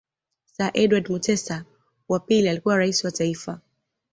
Sir Edward Mutesa wa pili alikuwa Rais wa Taifa